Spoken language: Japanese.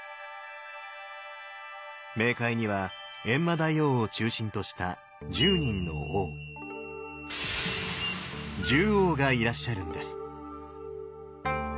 冥界には閻魔大王を中心とした１０人の王十王がいらっしゃるんです。